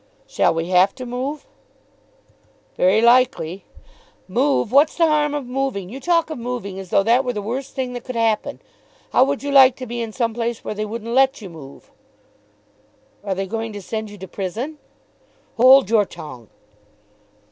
"Shall we have to move?" "Very likely. Move! What's the harm of moving? You talk of moving as though that were the worst thing that could happen. How would you like to be in some place where they wouldn't let you move?" "Are they going to send you to prison?" "Hold your tongue."